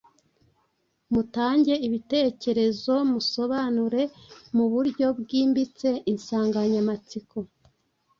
Mutange ibitekerezo musobanura mu buryo bwimbitse insanganyamatsiko